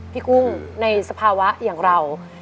กุ้งในสภาวะอย่างเรา